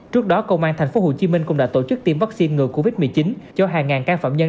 trước đó công an tp hcm cũng đã tổ chức tiêm vaccine ngừa covid một mươi chín cho hàng ngàn can phạm nhân